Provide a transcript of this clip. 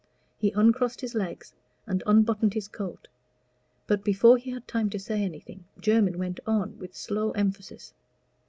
He uncrossed his legs and unbuttoned his coat. But before he had time to say anything, Jermyn went on with slow emphasis.